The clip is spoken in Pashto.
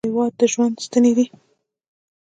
هېواد د ژوند ستنې دي.